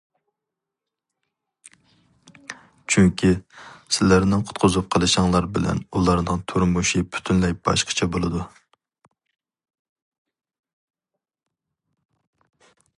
چۈنكى، سىلەرنىڭ قۇتقۇزۇپ قېلىشىڭلار بىلەن ئۇلارنىڭ تۇرمۇشى پۈتۈنلەي باشقىچە بولىدۇ.